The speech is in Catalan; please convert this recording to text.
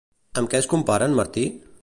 Amb què es compara en Martí?